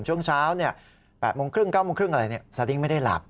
ช่วงเช้า๘โมงครึ่ง๙โมงครึ่งอะไรสดิ้งไม่ได้หลับ